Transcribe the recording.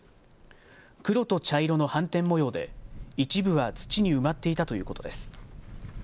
黒と茶色の斑点模様で一部は土に埋まっていたということです。